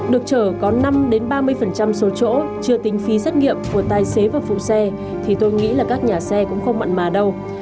được chở có năm ba mươi số chỗ chưa tính phí xét nghiệm của tài xế và phụ xe thì tôi nghĩ là các nhà xe cũng không mặn mà đâu